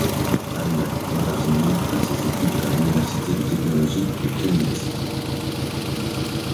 Anna Cavazzini a ses études à l'université de technologie de Chemnitz.